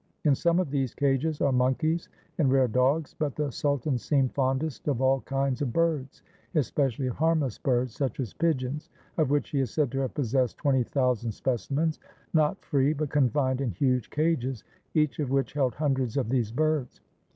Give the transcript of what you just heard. In some of these cages are monkeys and rare dogs, but the sultan seemed fondest of all kinds of birds, especially of harmless birds such as pigeons, of which he is said to have possessed twenty thousand specimens, not free, but confined in huge cages each of which held hundreds of these birds.